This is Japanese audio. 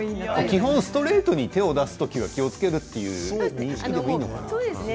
基本、ストレートに手を出すときは気をつけるという認識でもいいんですか？